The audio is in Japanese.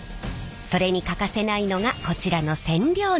それに欠かせないのがこちらの染料のりです。